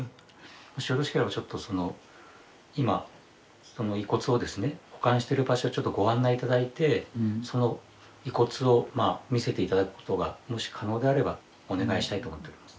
もしよろしければちょっとその今その遺骨をですね保管してる場所ちょっとご案内頂いてその遺骨を見せて頂くことがもし可能であればお願いしたいと思っております。